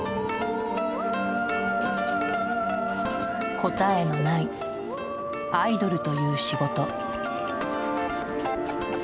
答えのないアイドルという仕事。